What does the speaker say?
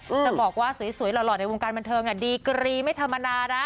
จะบอกว่าสวยหล่อในวงการบันเทิงดีกรีไม่ธรรมดานะ